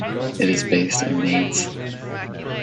It is based in Mainz.